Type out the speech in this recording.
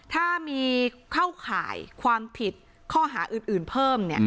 ถ้ามีเข้าข่ายความผิดข้อหาอื่นเพิ่ม